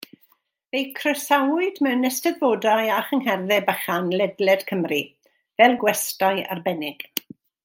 Fe'i croesawyd mewn eisteddfodau a chyngherddau bychan ledled Cymru, fel gwestai arbennig.